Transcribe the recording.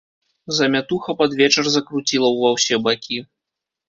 Замятуха пад вечар закруціла ўва ўсе бакі.